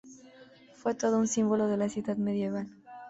Fue todo un símbolo en la ciudad medieval.